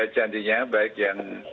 janjinya baik yang